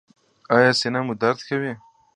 ایا سینه مو درد کوي؟